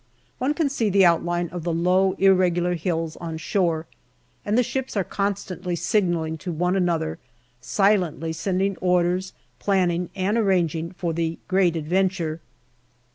One can see the outline of the low irregular hills on shore, and the ships are constantly signalling to one another, silently sending orders, planning and arranging for the great adventure.